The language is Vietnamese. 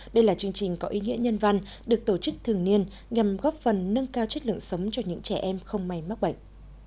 đây là chương trình có ý nghĩa nhân văn được tổ chức thường niên nhằm góp phần nâng cao chất lượng sống cho những trẻ em không may mắc bệnh